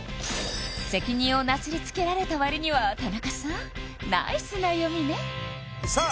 責任をなすりつけられた割には田中さんナイスな読みねさあ